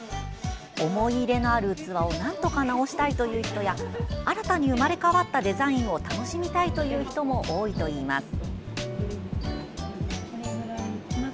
思い入れのある器をなんとか直したいという人や新たに生まれ変わったデザインを楽しみたいという人も多いといいます。